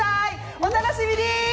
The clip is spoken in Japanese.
お楽しみに！